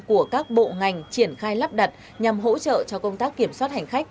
của các bộ ngành triển khai lắp đặt nhằm hỗ trợ cho công tác kiểm soát hành khách